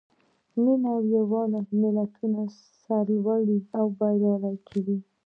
مینه او یووالی ملتونه سرلوړي او بریالي کوي.